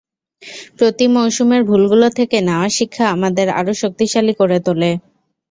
প্রতি মৌসুমের ভুলগুলো থেকে নেওয়া শিক্ষা আমাদের আরও শক্তিশালী করে তোলে।